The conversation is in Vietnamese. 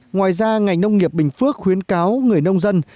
ngoài ra ngành nông nghiệp bình phước khuyến cáo người nông dân